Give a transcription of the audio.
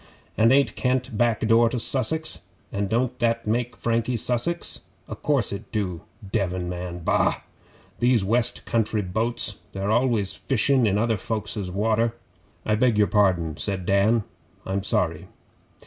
And ain't Kent back door to Sussex? And don't that make Frankie Sussex? O' course it do. Devon man! Bah! Those West Country boats they're always fishin' in other folks' water.' 'I beg your pardon,' said Dan. 'I'm sorry.